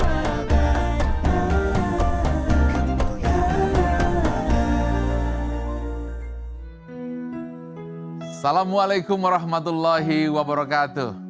assalamualaikum warahmatullahi wabarakatuh